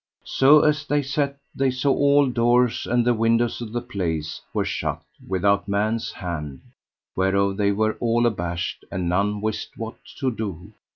So as they sat they saw all the doors and the windows of the place were shut without man's hand, whereof they were all abashed, and none wist what to do.